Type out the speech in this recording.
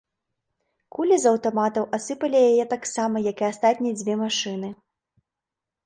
Кулі з аўтаматаў асыпалі яе таксама, як і астатнія дзве машыны.